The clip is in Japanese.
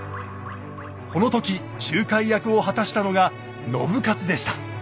この時仲介役を果たしたのが信雄でした。